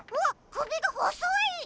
くびがほそい！